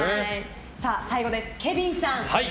最後、ケビンさん。